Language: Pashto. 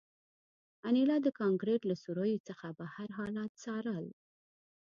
انیلا د کانکریټ له سوریو څخه بهر حالات څارل